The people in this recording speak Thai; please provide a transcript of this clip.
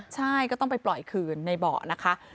ใช่ก็ต้องไปปล่อยคืนในเบาะนะคะ